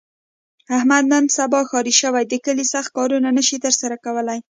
احمد نن سبا ښاري شوی، د کلي سخت کارونه نشي تر سره کولی.